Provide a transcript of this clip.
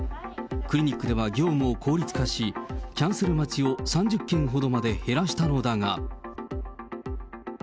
クリニックでは業務を効率化し、キャンセル待ちを３０件ほどまで減らしたのだが。